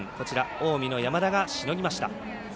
近江の山田がしのぎました。